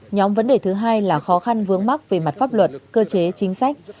nhóm vấn đề thứ hai là khó khăn vướng mắc về mặt pháp luật cơ chế chính sách